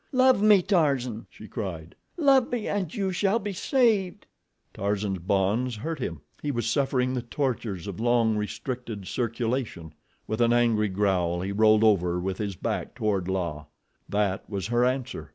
"Love me, Tarzan!" she cried. "Love me, and you shall be saved." Tarzan's bonds hurt him. He was suffering the tortures of long restricted circulation. With an angry growl he rolled over with his back toward La. That was her answer!